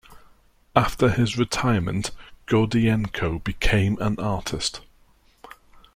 After his retirement, Gordienko became an artist.